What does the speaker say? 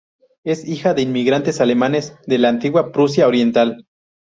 Es hija de inmigrantes alemanes de la antigua Prusia Oriental.